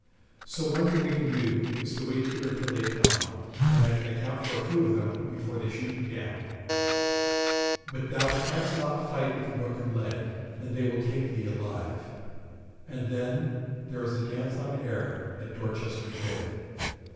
So one thing we can do is to wait here until they come, and I can account for a few of them before they shoot me down; but thou canst not fight with a broken leg, and they will take thee alive, and then there is a dance on air at Dorchester Jail.'